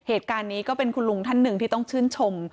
เหตุการณ์นี้ก็เป็นคุณลุงท่านหนึ่งที่ต้องชื่นชม